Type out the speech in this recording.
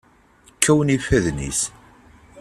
Kkawen ifadden-is.